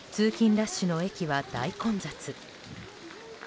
ラッシュの駅は大混雑。